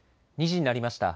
２時になりました。